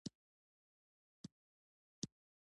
د نیالګي ساتنه تر کینولو مهمه ده؟